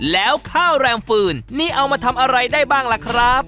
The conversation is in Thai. แล้วข้าวแรมฟืนนี่เอามาทำอะไรได้บ้างล่ะครับ